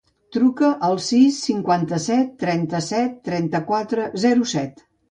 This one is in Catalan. Truca al sis, cinquanta-set, trenta-set, trenta-quatre, zero, set.